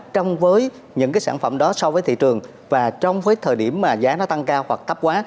trong với những sản phẩm đó so với thị trường và trong thời điểm giá tăng cao hoặc thấp quá